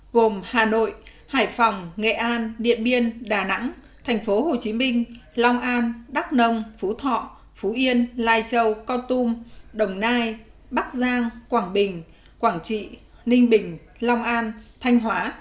gồm hà nội hải phòng nghệ an điện biên đà nẵng tp hcm long an đắk nông phú thọ phú yên lai châu con tum đồng nai bắc giang quảng bình quảng trị ninh bình long an thanh hóa